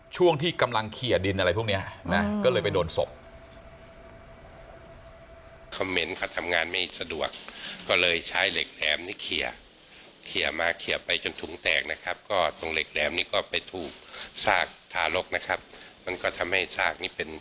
ช่วงที่กำลังเขียดินอะไรพวกนี้นะก็เลยไปโดนศพ